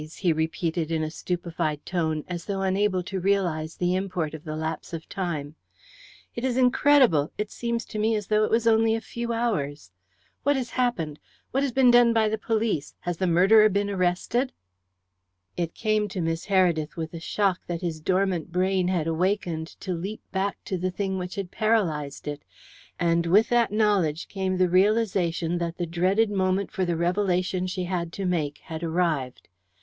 he repeated in a stupefied tone, as though unable to realize the import of the lapse of time. "It is incredible! It seems to me as though it was only a few hours. What has happened? What has been done by the police? Has the murderer been arrested?" It came to Miss Heredith with a shock that his dormant brain had awakened to leap back to the thing which had paralysed it, and with that knowledge came the realization that the dreaded moment for the revelation she had to make had arrived.